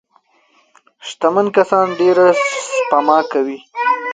شتمن کسان ډېره سپما کوي.